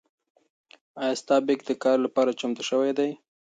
ایا ستا بیک د کار لپاره چمتو شوی دی؟